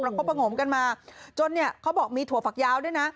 คบประงมกันมาจนเนี่ยเขาบอกมีถั่วฝักยาวด้วยนะ